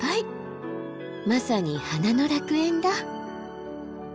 まさに花の楽園だ。